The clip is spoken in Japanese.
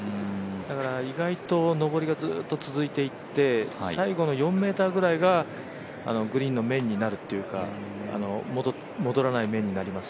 だから意外と上りがずっと続いていって最後の４ｍぐらいが、グリーンの面になるというか戻らない面になります。